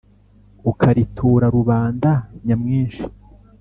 Ukaritura Rubanda nya mwinshi